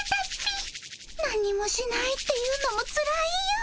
なんにもしないっていうのもつらいよ。